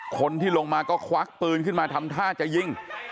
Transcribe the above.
คนที่ลงมาก็ควักปืนขึ้นมาทำท่าจะยิง